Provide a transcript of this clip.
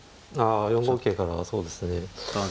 あ４五桂からそうですね。